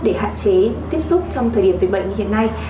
để hạn chế tiếp xúc trong thời điểm dịch bệnh hiện nay